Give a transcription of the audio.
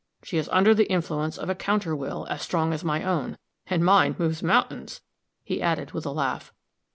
She is under the influence of a counter will, as strong as my own and mine moves mountains," he added, with a laugh.